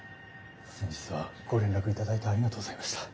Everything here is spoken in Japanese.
先日はご連絡頂いてありがとうございました。